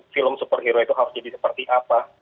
film superhero itu harus jadi seperti apa